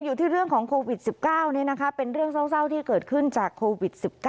อยู่ที่เรื่องของโควิด๑๙เป็นเรื่องเศร้าที่เกิดขึ้นจากโควิด๑๙